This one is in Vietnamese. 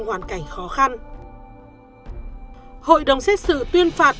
hội đồng xét xử tuyên phạt